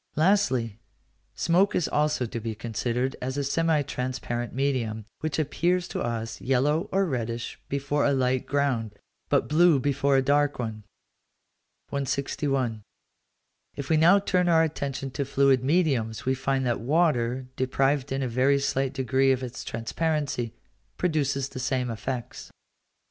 Lastly, smoke is also to be considered as a semi transparent medium, which appears to us yellow or reddish before a light ground, but blue before a dark one. 161. If we now turn our attention to fluid mediums, we find that water, deprived in a very slight degree of its transparency, produces the same effects.